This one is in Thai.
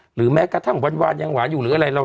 หรือแม้ทั้งวันยังหวานอยู่เนี่ย